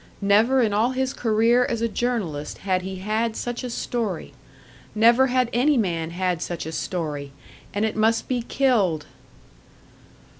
Never in all his career as a journalist had he had such a story; never had any man had such a story and it must be killed!